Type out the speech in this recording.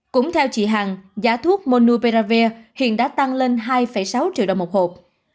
cũng theo chị hằng giá thuốc monupiravir hiện đã tăng lên hai sáu triệu đồng một hộp